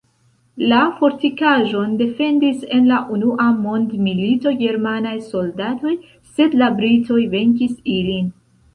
La fortikaĵon defendis en la unua mondmilito germanaj soldatoj, sed la britoj venkis ilin.